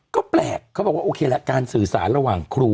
ก็แปลกเขาบอกว่าโอเคละการสื่อสารระหว่างครู